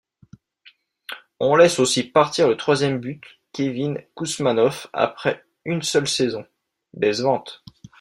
On laisse aussi partir le troisième but Kevin Kouzmanoff après une seule saison, décevante.